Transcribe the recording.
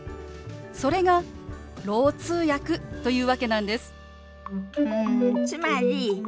それがろう通訳というわけなんです。